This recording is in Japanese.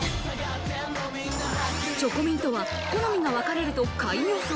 チョコミントは好みが分かれると下位予想。